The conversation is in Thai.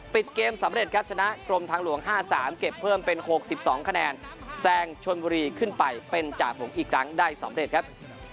ปิดเกมสำเร็จครับชนะกรมทางหลวง๕๓เก็บเพิ่มเป็น๖๒คะแนนแซงชนบุรีขึ้นไปเป็นจ่าผมอีกครั้งได้สำเร็จครับ